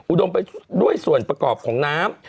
ไปด้วยส่วนประกอบของน้ำ